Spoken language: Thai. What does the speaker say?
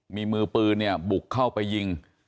มีมือปือบุกเข้าไปยิง